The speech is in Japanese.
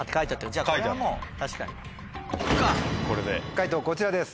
解答こちらです。